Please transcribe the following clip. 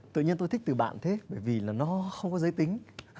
tự nhiên tôi thích từ bạn thế bởi vì là nó không có giới tính